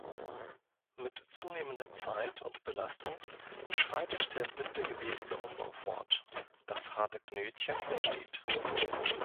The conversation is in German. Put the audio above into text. Mit zunehmender Zeit und Belastung schreitet der bindegewebige Umbau fort, das "harte Knötchen" entsteht.